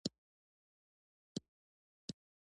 د دوی په فرهنګ کې داسې قراردادي توب لوی جرم دی.